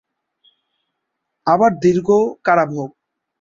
আবার দীর্ঘ কারাভোগ।